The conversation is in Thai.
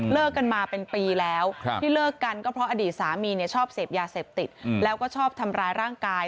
กันมาเป็นปีแล้วที่เลิกกันก็เพราะอดีตสามีเนี่ยชอบเสพยาเสพติดแล้วก็ชอบทำร้ายร่างกาย